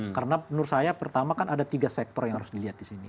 karena menurut saya pertama kan ada tiga sektor yang harus dilihat di sini